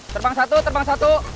terbang satu terbang satu